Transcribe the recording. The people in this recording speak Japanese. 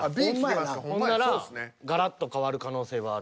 ガラッと変わる可能性はある。